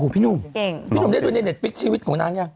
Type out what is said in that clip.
พี่นุ่มได้ดูในเน็ตฟิกชีวิตของนางยัง